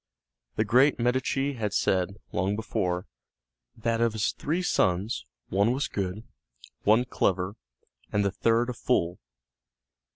The great Medici had said, long before, that of his three sons one was good, one clever, and the third a fool.